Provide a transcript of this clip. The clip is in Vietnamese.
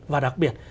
và đặc biệt